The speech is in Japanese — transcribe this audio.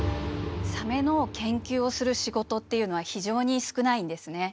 サメの研究をする仕事っていうのは非常に少ないんですね。